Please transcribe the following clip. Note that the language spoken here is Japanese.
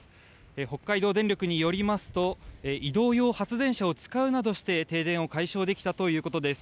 北海道電力によりますと移動用発電車を使うなどして停電を解消できたということです。